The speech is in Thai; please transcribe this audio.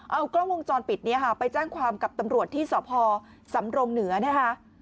เอากล้องวงจรปิดนี้ค่ะไปแจ้งความกับตำรวจที่สพสำรงเหนือนะคะ